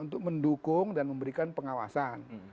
untuk mendukung dan memberikan pengawasan